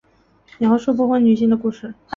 描述不婚女性的故事。